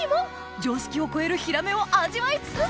常識を超えるヒラメを味わい尽くす！